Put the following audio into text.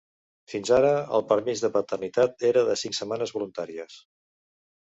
Fins ara el permís de paternitat era de cinc setmanes voluntàries.